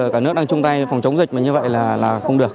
cả nước đang chung tay phòng chống dịch mà như vậy là không được